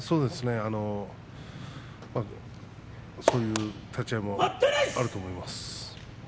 そういう立ち合いもあると思います。